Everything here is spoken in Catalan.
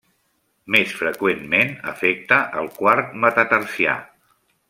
Més freqüentment afecta el quart metatarsià.